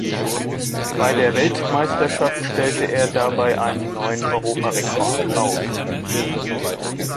Bei der Weltmeisterschaft stellte er dabei einen neuen Europarekord auf.